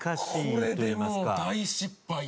これでもう大失敗して。